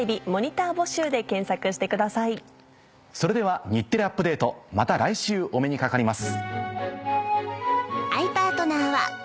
それでは『日テレアップＤａｔｅ！』また来週お目にかかります。